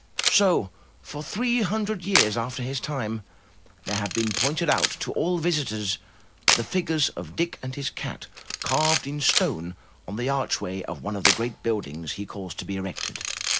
So for three hundred years after his time, there have been pointed out to all visitors the figures of Dick and his cat carved in stone on the archway of one of the great buildings he caused to be erected.